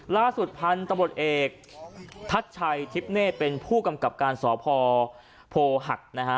ล่าสุดพันธุ์ตำรวจเอกทัชชัยทิพเนธเป็นผู้กำกับการสพโพหักนะฮะ